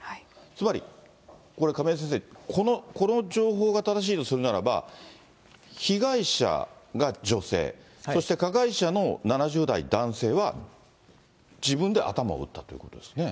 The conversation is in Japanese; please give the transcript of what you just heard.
つまり、これ、亀井先生、この情報が正しいとするならば、被害者が女性、そして加害者の７０代男性は、自分で頭を撃ったということですよね。